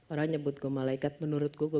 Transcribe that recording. orang nyebut gue malaikat menurut gue gue